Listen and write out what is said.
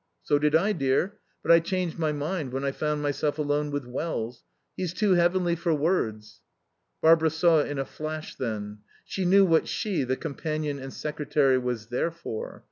"So did I, dear. But I changed my mind when I found myself alone with Wells. He's too heavenly for words." Barbara saw it in a flash, then. She knew what she, the companion and secretary, was there for.